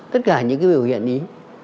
tất cả những cái biểu hiện ý